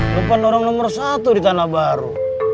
lu kan orang nomor satu di tanah baru